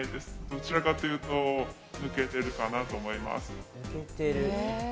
どちらかというと抜けてるかなと思います。